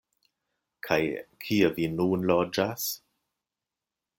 Kaj kie vi nun loĝas?